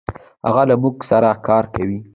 هغه له مونږ سره کار کوي.